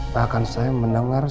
bahkan saya mendengar